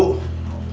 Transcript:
sampai jumpa bu